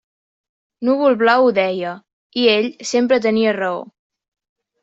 Núvol-Blau ho deia i ell sempre tenia raó.